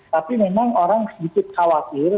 tapi memang orang sedikit khawatir